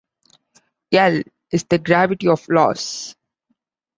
"L" is the gravity of loss.